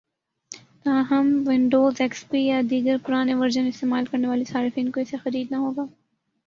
تاہم Windows, X P یا دیگر پرانے ورژن استعمال کرنے والے صارفین کو اسے خریدنا ہوگا